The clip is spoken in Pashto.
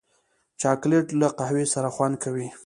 چاکلېټ له قهوې سره خوند کوي.